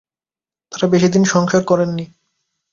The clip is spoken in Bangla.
তারা বেশি দিন সংসার করেন নি।